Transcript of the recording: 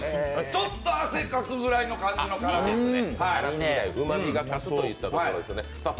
ちょっと汗かくぐらいの感じの辛みですね。